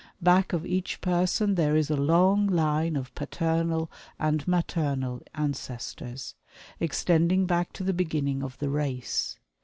Back of each person there is a long line of paternal and maternal ancestors, extending back to the beginning of the race.